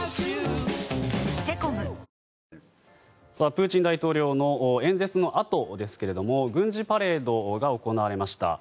プーチン大統領の演説のあとですが軍事パレードが行われました。